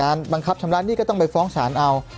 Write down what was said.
บังคับชำระหนี้ก็ต้องไปฟ้องศาลเอา